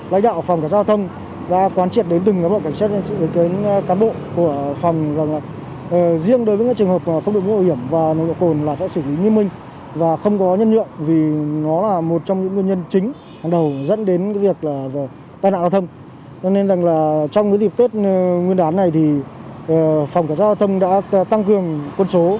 với dịp tết nguyên đán này thì phòng cảnh sát giao thông đã tăng cường quân số